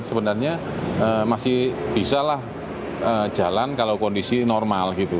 sebenarnya masih bisa lah jalan kalau kondisi normal gitu